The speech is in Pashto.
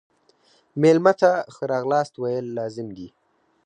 مېلمه ته ښه راغلاست ویل لازم دي.